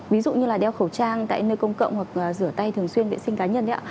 ví dụ như là đeo khẩu trang tại nơi công cộng hoặc rửa tay thường xuyên vệ sinh cá nhân đấy ạ